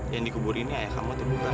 yang dikubur ini ayah kamu atau bukan